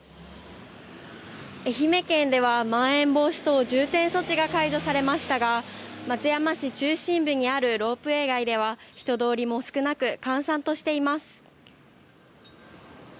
愛媛県ではまん延防止等重点措置が解除されましたが松山市中心部にあるロープウエー街では人通りも少なく閑散としています。